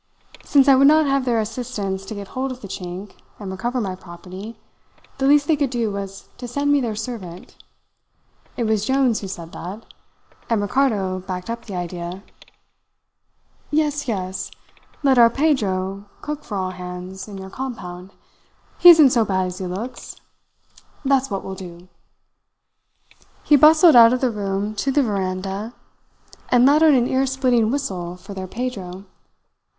"Since I would not have their assistance to get hold of the Chink and recover my property, the least they could do was to send me their servant. It was Jones who said that, and Ricardo backed up the idea. "'Yes, yes let our Pedro cook for all hands in your compound! He isn't so bad as he looks. That's what we will do!' "He bustled out of the room to the veranda, and let out an ear splitting whistle for their Pedro.